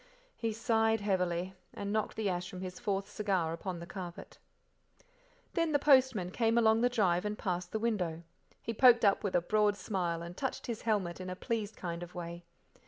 He sighed heavily, and knocked the ash from his fourth cigar upon the carpet. Then the postman came along the drive and past the window. He poked up with a broad smile, and touched his helmet in a pleased kind of way.